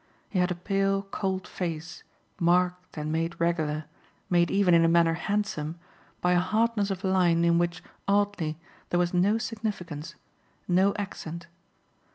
He had a pale cold face, marked and made regular, made even in a manner handsome, by a hardness of line in which, oddly, there was no significance, no accent.